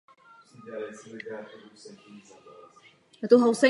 Nejprve se učil ve společnosti vyrábějící hedvábné látky a poté začal studovat fotografii.